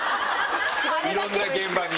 いろんな現場に。